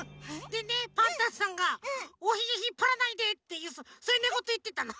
でねパンタンさんが「おひげひっぱらないで」ってそういうねごといってたの。